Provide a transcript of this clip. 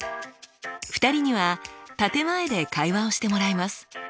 ２人には建て前で会話をしてもらいます。